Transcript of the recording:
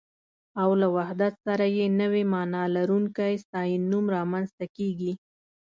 او له وحدت سره يې نوې مانا لرونکی ستاينوم رامنځته کېږي